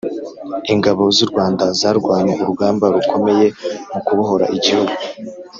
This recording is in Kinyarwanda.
Ingabo zurwanda zarwanye urugamba rukomeye mukubohora igihugu